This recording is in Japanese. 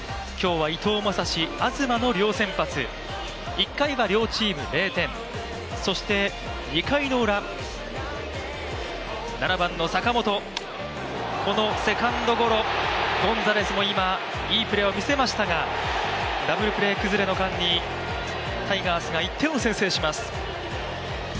１回は両チーム０点、そして２回のウラ７番の坂本、このセカンドゴロゴンザレスもいいプレーを見せましたがダブルプレー崩れの間にタイガースが１点を先制します。